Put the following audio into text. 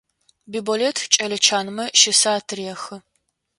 Биболэт кӏэлэ чанмэ щысэ атырехы.